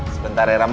sebentar ya rama